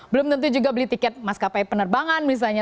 belum tentu juga beli tiket maskapai penerbangan misalnya